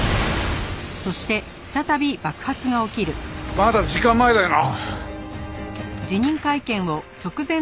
まだ時間前だよな！？